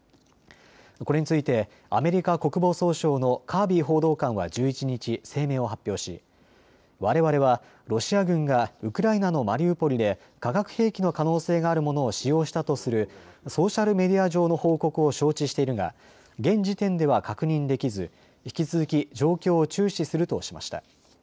これについてアメリカ国防総省のカービー報道官は１１日、声明を発表しわれわれはロシア軍がウクライナのマリウポリで化学兵器の可能性があるものを使用したとするソーシャルメディア上の報告を承知しているが現時点では確認できず、引き続き状況を注視するとしました。